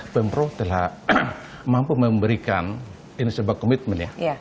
pemprov telah mampu memberikan ini sebuah komitmen ya